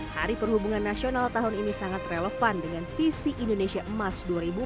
hari perhubungan nasional tahun ini sangat relevan dengan visi indonesia emas dua ribu empat puluh